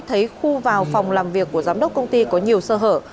thấy khu vào phòng làm việc của giám đốc công ty có nhiều sơ hở